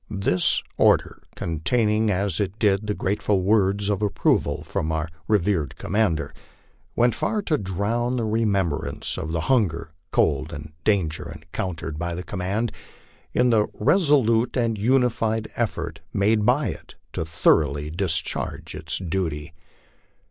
This order, containing as it did the grateful words of approval from our re vered commander, went far to drown the remembrance of the hunger, cold, and danger encountered by the command, in the resolute and united effort made by it to thoroughly discharge its duty.